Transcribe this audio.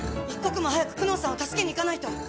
一刻も早く久能さんを助けにいかないと。